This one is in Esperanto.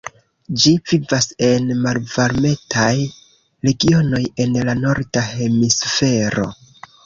Ĝi vivas en la malvarmetaj regionoj en la norda hemisfero.